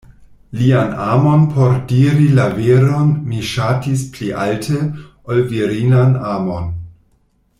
Lian amon por diri la veron mi ŝatis pli alte, ol virinan amon.